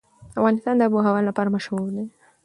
افغانستان د آب وهوا لپاره مشهور دی.